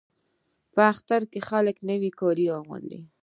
په اختر کې خلک نوي کالي اغوندي.